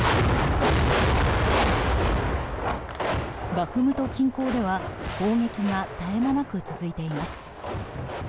バフムト近郊では砲撃が絶え間なく続いています。